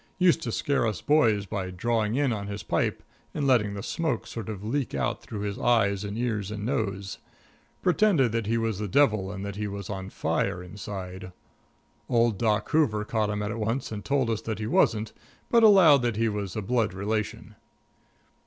Used to scare us boys by drawing in on his pipe and letting the smoke sort of leak out through his eyes and ears and nose. Pretended that he was the devil and that he was on fire inside. Old Doc Hoover caught him at it once and told us that he wasn't, but allowed that he was a blood relation.